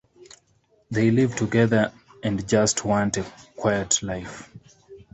They live together and just want a quiet life.